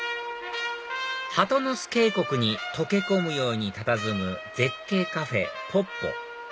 鳩ノ巣渓谷に溶け込むようにたたずむ絶景カフェぽっぽ